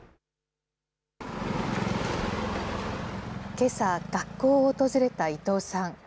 けさ、学校を訪れた伊藤さん。